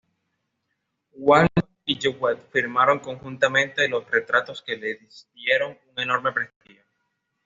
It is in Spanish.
Waldo y Jewett firmaron conjuntamente los retratos que les dieron un enorme prestigio.